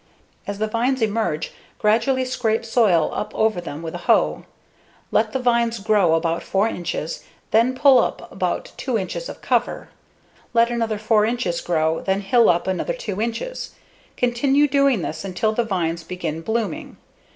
As the vines emerge, gradually scrape soil up over them with a hoe. Let the vines grow about 4 inches, then pull up about 2 inches of cover. Let another 4 inches grow, then hill up another 2 inches. Continue doing this until the vines begin blooming.